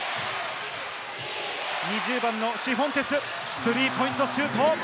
２０番のシフォンテス、スリーポイントシュート。